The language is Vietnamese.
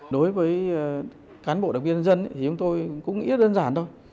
đối với cán bộ đặc biệt dân chúng tôi cũng nghĩ là đơn giản thôi